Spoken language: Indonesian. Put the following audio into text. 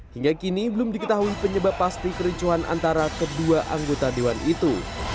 hingga kini belum diketahui penyebab pasti kericuhan antara kedua anggota dewan itu